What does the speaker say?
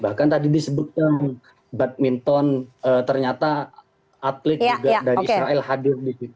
bahkan tadi disebutkan badminton ternyata atlet juga dari israel hadir di situ